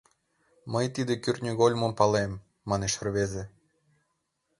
— Мый тиде кӱртньыгольмым палем, — манеш рвезе.